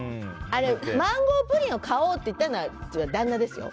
マンゴープリンを買おうと言ったのは旦那ですよ。